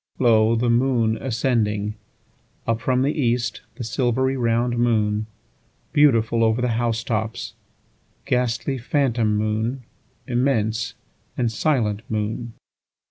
2Lo! the moon ascending! Up from the east, the silvery round moon; Beautiful over the house tops, ghastly phantom moon; Immense and silent moon.